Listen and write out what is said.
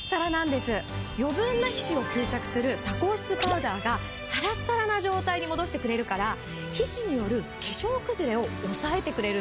余分な皮脂を吸着する多孔質パウダーがサラッサラな状態に戻してくれるから皮脂による化粧崩れを抑えてくれるんです。